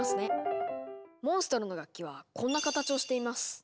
モンストロの楽器はこんな形をしています。